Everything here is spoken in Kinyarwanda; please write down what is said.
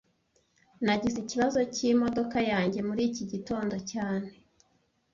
Nagize ikibazo cyimodoka yanjye muri iki gitondo cyane